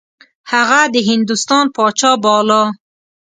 هغه د هندوستان پاچا باله.